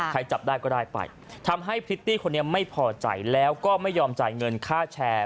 จับได้ก็ได้ไปทำให้พริตตี้คนนี้ไม่พอใจแล้วก็ไม่ยอมจ่ายเงินค่าแชร์